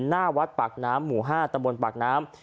หน้าวัดปากน้ำหมู่๕ตำบลปากน้ำ